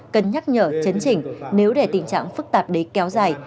cần nhắc nhở chấn chỉnh nếu để tình trạng phức tạp đấy kéo dài